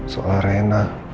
soal reina semua orang menghalangi